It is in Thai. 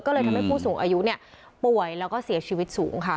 ก็เลยทำให้ผู้สูงอายุเนี่ยป่วยแล้วก็เสียชีวิตสูงค่ะ